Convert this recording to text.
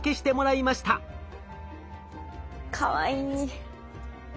かわいい。